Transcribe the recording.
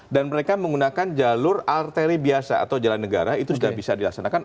dan mereka menggunakan jalur arteri biasa atau jalan negara itu sudah bisa dilaksanakan